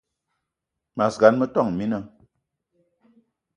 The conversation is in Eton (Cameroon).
Mas gan, metόn mina